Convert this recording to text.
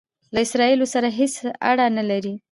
له اسراییلو سره هیڅ اړه نه لري.